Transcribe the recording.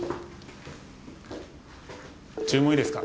注文いいですか？